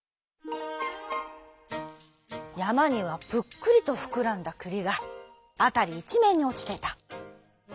やまにはぷっくりとふくらんだくりがあたりいちめんにおちていた。